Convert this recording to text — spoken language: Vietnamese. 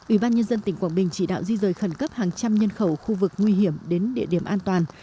ủy ban nhân dân tỉnh quảng bình chỉ đạo di rời khẩn cấp hàng trăm nhân khẩu khu vực nguy hiểm đến địa điểm an toàn